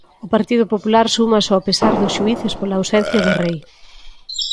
O Partido Popular súmase ao pesar dos xuíces pola ausencia do Rei.